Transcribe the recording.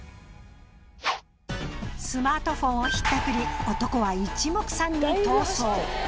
スマートフォンをひったくり男は一目散に逃走。